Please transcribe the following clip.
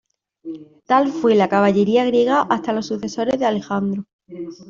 Tal fue la caballería griega hasta los sucesores de Alejandro.